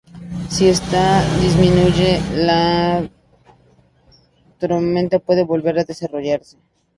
Si esta disminuye, la tormenta puede volver a desarrollarse.